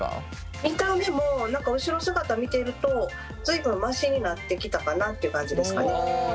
見た目も何か後ろ姿見てると随分マシになってきたかなっていう感じですかね。